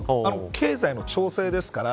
経済の調整ですから